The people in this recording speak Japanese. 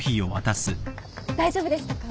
大丈夫でしたか？